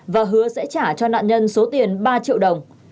và hứa sẽ trả cho nạn nhân số tiền ba triệu đồng